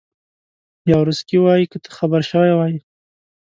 یاورسکي وایي که ته خبر شوی وای.